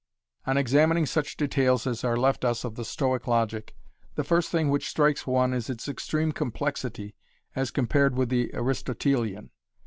On examining such details as are left us of the Stoic logic, the first thing which strikes one is its extreme complexity as compared with the Aristotelian.